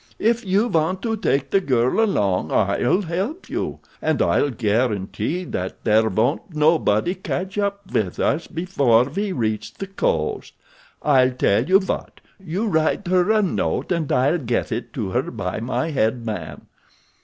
If you want to take the girl along I'll help you, and I'll guarantee that there won't nobody catch up with us before we reach the coast. I'll tell you what, you write her a note and I'll get it to her by my head man.